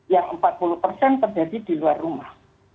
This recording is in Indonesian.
yang empat puluh persen terjadi di luar rumah